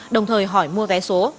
đồng thời hỏi mua vé số